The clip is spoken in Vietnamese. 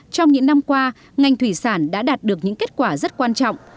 trong những năm qua ngành thủy sản đã đạt được những kết quả rất quan trọng